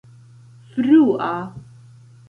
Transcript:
frua